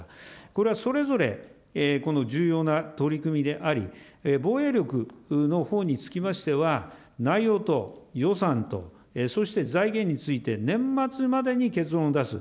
これはそれぞれこの重要な取り組みであり、防衛力のほうにつきましては、内容と予算とそして財源について、年末までに結論を出す。